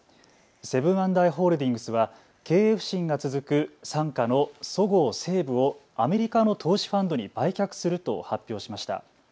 セブン＆アイ・ホールディングスは経営不振が続く傘下のそごう・西武をアメリカの投資ファンドに売却すると発表しました。